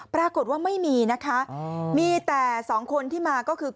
ปรากฏว่าไม่มีนะคะมีแต่สองคนที่มาก็คือ